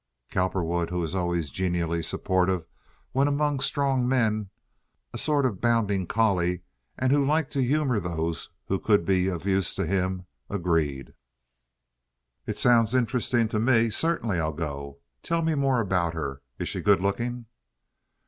Cowperwood, who was always genially sportive when among strong men—a sort of bounding collie—and who liked to humor those who could be of use to him, agreed. "It sounds interesting to me. Certainly I'll go. Tell me more about her. Is she good looking?"